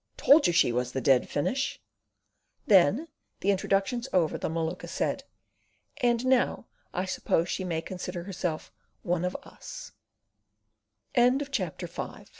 Told you she was the dead finish." Then the introductions over, the Maluka said: "Ann, now I suppose she may consider herself just 'One of U